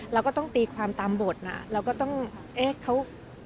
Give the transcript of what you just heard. เราก็ต้องตีความตามบทนะเราก็ต้องเอ๊ะเขา